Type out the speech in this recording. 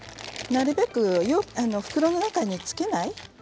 なるべく袋の中につけない。